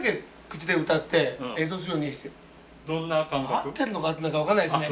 合ってんのか合ってないか分からないですね。